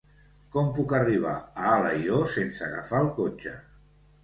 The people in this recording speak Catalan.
Com puc arribar a Alaior sense agafar el cotxe?